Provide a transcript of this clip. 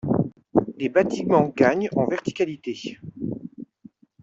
Les bâtiments gagnent en verticalité.